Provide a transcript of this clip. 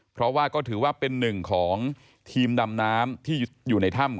เพราะว่าก็ถือว่าเป็นหนึ่งของทีมดำน้ำที่อยู่ในถ้ำ